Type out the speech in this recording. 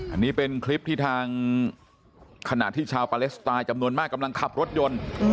อันนี้เป็นคลิปที่ทางขณะที่ชาวปาเลสไตน์จำนวนมากกำลังขับรถยนต์